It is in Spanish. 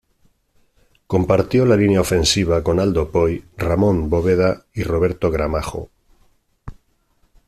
Compartió la línea ofensiva con Aldo Poy, Ramón Bóveda y Roberto Gramajo.